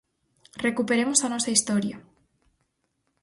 Recuperemos a nosa historia.